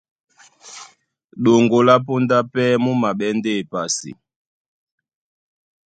Ɗoŋgo lá póndá pɛ́ mú maɓɛ́ ndé epasi.